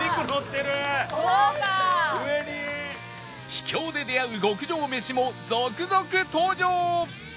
秘境で出会う極上飯も続々登場！